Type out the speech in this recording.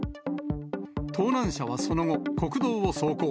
盗難車はその後、国道を走行。